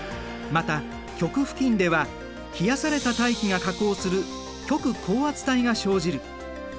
また極付近では冷やされた大気が下降する極高圧帯が生じる。